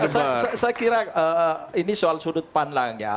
saya kira ini soal sudut pandang ya